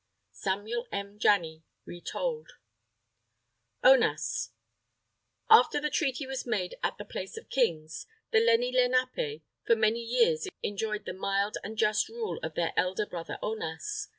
Samuel M. Janney (Retold) ONAS After the Treaty was made at the Place of Kings, the Lenni Lenapé, for many years enjoyed the mild and just rule of their "elder brother Onas."